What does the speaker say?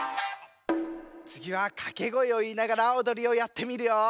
つぎはかけごえをいいながらおどりをやってみるよ。